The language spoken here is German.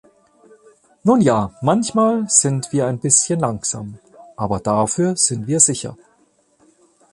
Nun ja, manchmal sind wir ein bisschen langsam, aber dafür sind wir sicher.